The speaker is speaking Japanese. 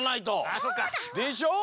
あそっか。でしょう？